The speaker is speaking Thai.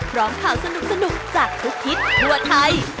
พร้อมข่าวสนุกจากทุกทิศทั่วไทย